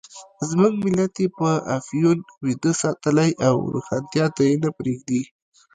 زموږ ملت یې په افیون ویده ساتلی او روښانتیا ته یې نه پرېږدي.